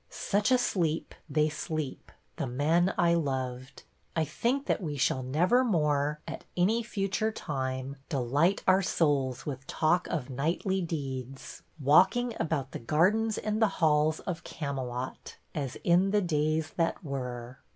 Such a sleep They sleep — the men I loved. I think that we Shall never more, at any future time, Delight our souls with talk of knightly deeds, Walking about the gardens and the halls Of Camelot, as in the days that were."